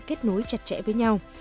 kết nối chặt chẽ với nhau